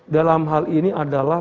dalam hal ini adalah